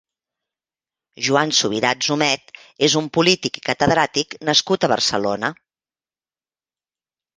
Joan Subirats Humet és un polític i catedràtic nascut a Barcelona.